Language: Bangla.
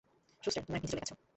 রুস্টার, তুমি অনেক নিচে চলে গেছো।